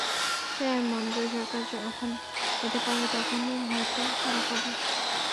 তাই আমি মনে করি, সরকার যখন এটা পারবে, তখনই হয়তো তারা করবে।